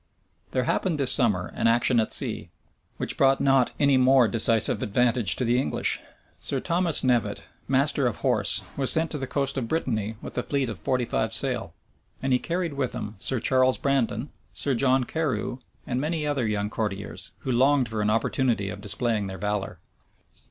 There happened this summer an action at sea, which brought not any more decisive advantage to the English. Sir Thomas Knevet, master of horse, was sent to the coast of Brittany with a fleet of forty five sail; and he carried with him Sir Charles Brandon, Sir John Carew, and many other young courtiers, who longed for an opportunity of displaying their valor.